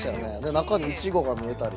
中にイチゴが見えたり。